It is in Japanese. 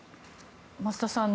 増田さん